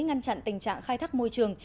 ngăn chặn tình trạng khai thác môi trường